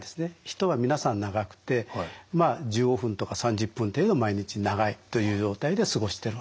人は皆さん長くてまあ１５分とか３０分程度毎日長いという状態で過ごしてるわけですね。